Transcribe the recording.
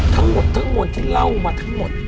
ทั้งหมดทั้งมวลที่เล่ามาทั้งหมด